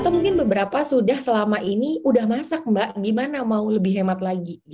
atau mungkin beberapa sudah selama ini udah masak mbak gimana mau lebih hemat lagi